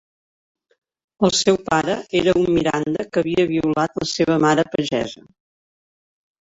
El seu pare era un Miranda que havia violat la seva mare pagesa.